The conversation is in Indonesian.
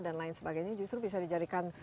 dan lain sebagainya justru bisa dijadikan